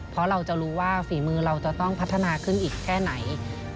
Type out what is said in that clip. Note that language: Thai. เพราะเราจะรู้ว่าฝีมือเราจะต้องพัฒนาขึ้นอีกแค่ไหน